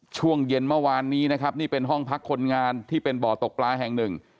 ช่วงเย็นเมื่อวานนี้นะครับนี่เป็นห้องพักคนงานที่เป็นบ่อตกปลาแห่งหนึ่ง